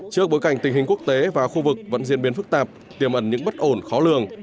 trước bối cảnh tình hình quốc tế và khu vực vẫn diễn biến phức tạp tiềm ẩn những bất ổn khó lường